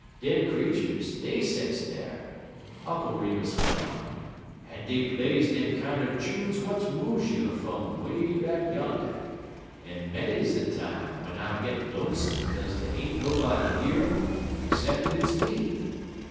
Dem creeturs dey sets dar," Uncle Remus went on, "en dey plays dem kinder chunes w'at moves you fum 'way back yander; en manys de time w'en I gits lonesome kaze dey ain't nobody year um 'ceppin' it's me.